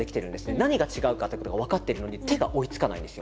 何が違うかっていうことが分かってるのに手が追いつかないんですよ。